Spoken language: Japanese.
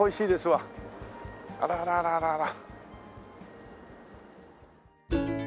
あららららら。